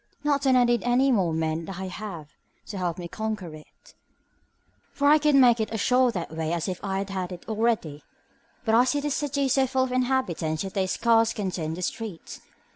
Not that I need any more men than I have to help me to conquer it, for I could make it as sure that way as if I had it already; but I see this city is so full of inhabitants that they scarce can turn in the streets.